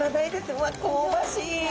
うわっ香ばしい！